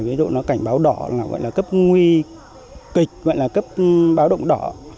với độ nó cảnh báo đỏ gọi là cấp nguy kịch gọi là cấp báo động đỏ